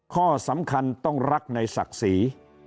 ข้อสำคัญต้องรักในศักดิ์ศรี